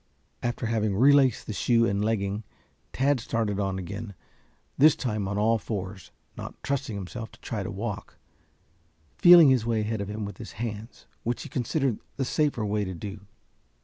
After having relaced the shoe and leggin, Tad started on again, this time on all fours, not trusting himself to try to walk, feeling his way ahead of him with his hands, which he considered the safer way to do.